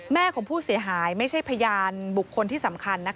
ของผู้เสียหายไม่ใช่พยานบุคคลที่สำคัญ